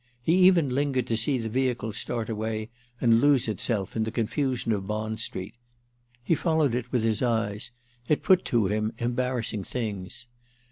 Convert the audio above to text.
He even lingered to see the vehicle start away and lose itself in the confusion of Bond Street. He followed it with his eyes; it put to him embarrassing things.